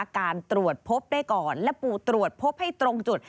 การตรวจพบได้ก่อนและปูตรวจพบให้ตรงจุด